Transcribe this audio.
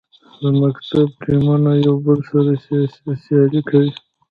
د مکتب ټیمونه یو بل سره سیالي کوي.